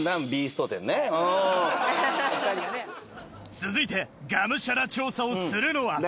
続いてがむしゃら調査をするのは何？